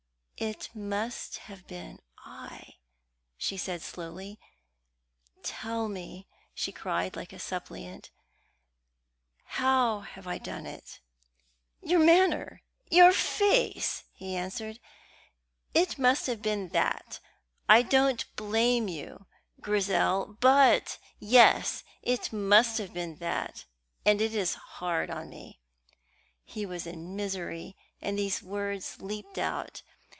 "It must have been I!" she said slowly. "Tell me," she cried like a suppliant, "how have I done it?" "Your manner, your face," he answered; "it must have been that. I don't blame you. Grizel, but yes, it must have been that, and it is hard on me." He was in misery, and these words leaped out.